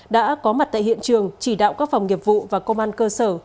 đã có mặt tại hiện trường chỉ đạo các phòng nghiệp vụ và công an cơ sở